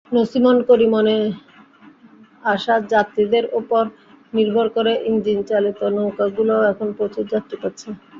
নছিমন-করিমনে আসা যাত্রীদের ওপর নির্ভর করে ইঞ্জিনচালিত নৌকাগুলোও এখন প্রচুর যাত্রী পাচ্ছে।